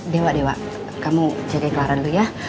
dewa dewa kamu jaga kelaran dulu ya